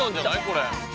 これ。